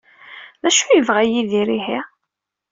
D acu ay yebɣa Yidir ihi?